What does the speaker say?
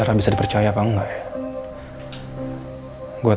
dengan hati dia masih hangat